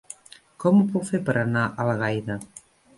Com ho puc fer per anar a Algaida?